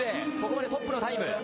ここまでトップのタイム。